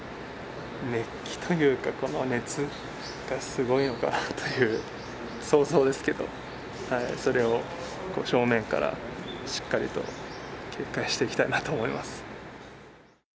熱気というか、この熱がすごいのかなという、想像ですけど、それを正面からしっかりと警戒していきたいなと思います。